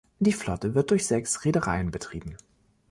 Die Flotte wird durch sechs Reedereien betrieben.